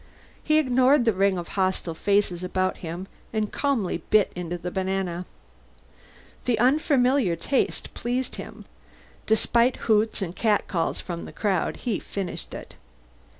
He ignored the ring of hostile faces about him and calmly bit into the banana. The unfamiliar taste pleased him. Despite hoots and catcalls from the crowd he finished it.